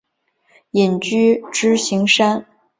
隐居支硎山。